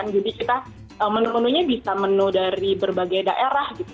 kita menu menunya bisa menu dari berbagai daerah gitu